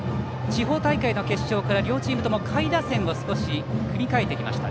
地方大会の決勝から両チームとも下位打線を少し組み替えてきました。